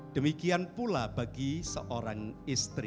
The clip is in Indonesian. demikian pula bagi seorang istri